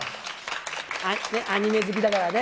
アニメ好きだからね。